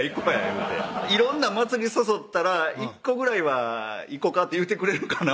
言うて色んな祭り誘ったら１個ぐらいは「行こか」って言うてくれるかな